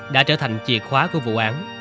đã trở thành chìa khóa của vụ án